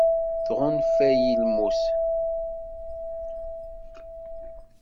Tɣunfa-yi lmut.